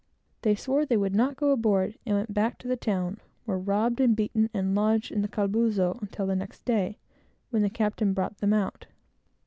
They swore they would not go aboard, and went back to the town, were stripped and beaten, and lodged in the calabozo, until the next day, when the captain bought them out.